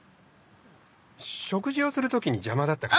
食事をする時に邪魔だったから。